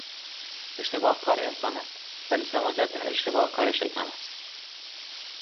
اشتباه کار انسان است ولی سماجت کردن در اشتباه کار شیطان است.